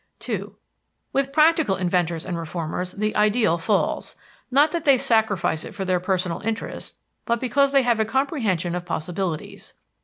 II With practical inventors and reformers the ideal falls not that they sacrifice it for their personal interests, but because they have a comprehension of possibilities.